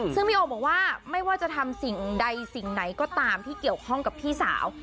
ซึ่งพี่โอบอกว่าไม่ว่าจะทำสิ่งใดสิ่งไหนก็ตามที่เกี่ยวข้องกับพี่สาว